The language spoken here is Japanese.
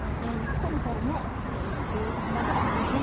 根っこのほうも２ｃｍ幅ぐらい。